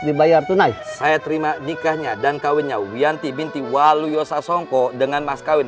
dibayar tunai saya terima nikahnya dan kawinnya wiyanti binti waluyo sasongko dengan mas kawin